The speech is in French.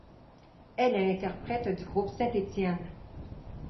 Elle est l'interprète du groupe Saint Etienne.